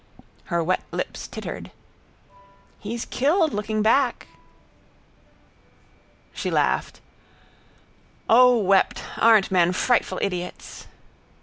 Her wet lips tittered: —He's killed looking back. She laughed: —O wept! Aren't men frightful idiots?